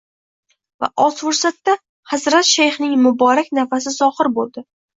Va oz fursatda Hazrat shayxning muborak nafasi zohir boʻldi»